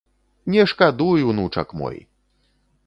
Не шкадуй, унучак мой!